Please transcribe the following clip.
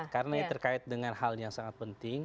karena terkait dengan hal yang sangat penting